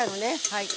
はい。